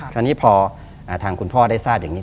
คราวนี้พอทางคุณพ่อได้ทราบอย่างนี้